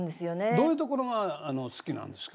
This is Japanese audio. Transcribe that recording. どういうところが好きなんですか？